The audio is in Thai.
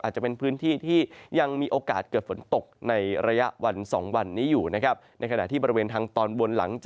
อาจจะเป็นพื้นที่ที่ยังมีโอกาสเกิดฝนตกในระยะวัน๒วันนี้อยู่นะครับ